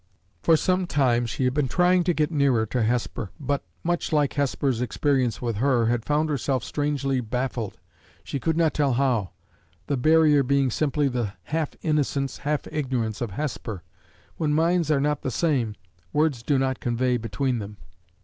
For some time she had been trying to get nearer to Hesper, but much like Hesper's experience with her had found herself strangely baffled, she could not tell how the barrier being simply the half innocence, half ignorance, of Hesper. When minds are not the same, words do not convey between them.